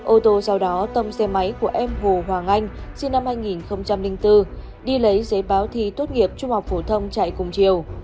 ô tô sau đó tông xe máy của em hồ hoàng anh sinh năm hai nghìn bốn đi lấy giấy báo thi tốt nghiệp trung học phổ thông chạy cùng chiều